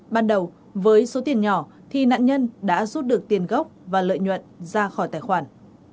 ban đầu với số tiền nhỏ thì nạn nhân đã rút được tiền gốc và lợi nhuận ra khỏi tài khoản